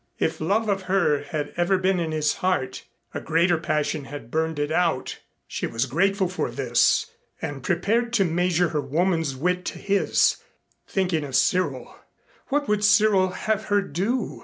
If love of her had ever been in his heart, a greater passion had burned it out. She was grateful for this and prepared to measure her woman's wit to his, thinking of Cyril. What would Cyril have her do?